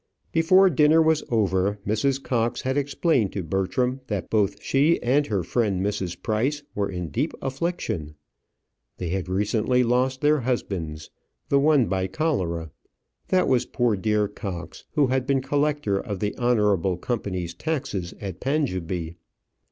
Before dinner was over, Mrs. Cox had explained to Bertram that both she and her friend Mrs. Price were in deep affliction. They had recently lost their husbands the one, by cholera; that was poor dear Cox, who had been collector of the Honourable Company's taxes at Panjabee.